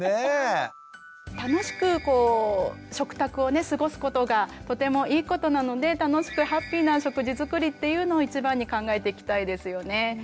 楽しく食卓を過ごすことがとてもいいことなので楽しくハッピーな食事作りっていうのを一番に考えていきたいですよね。